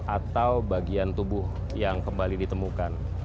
atau bagian tubuh yang kembali ditemukan